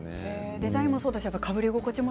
デザインもそうですしかぶり心地も？